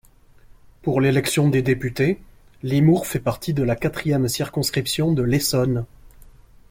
Pour l'élection des députés, Limours fait partie de la quatrième circonscription de l'Essonne.